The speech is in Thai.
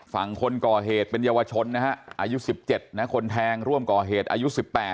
ฝั่งคนก่อเหตุเป็นเยาวชนนะฮะอายุ๑๗นะคนแทงร่วมก่อเหตุอายุ๑๘